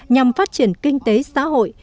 nhằm phát triển kinh tế xã hội